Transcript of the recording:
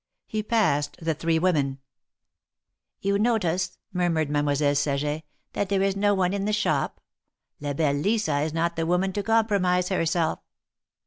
He passed the three women. ^^You notice," murmured Mademoiselle Saget, '^that there is no one in the shop. La belle Lisa is not the woman to compromise herself."